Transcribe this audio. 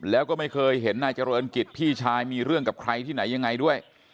แล้วก็ไม่เคยเห็นนายเจริญกิจพี่ชายมีเรื่องกับใครที่ไหนยังไงด้วย